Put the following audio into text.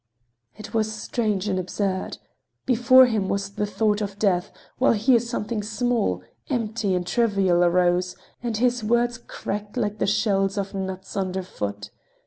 It was strange and absurd. Before him was the thought of death, while here something small, empty and trivial arose, and his words cracked like the shells of nuts under foot.